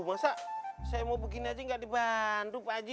masa saya mau begini aja nggak dibantu pak waji